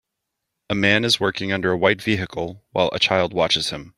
A man is working under a white vehicle while a child watches him.